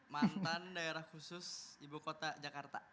mantan daerah khusus ibu kota jakarta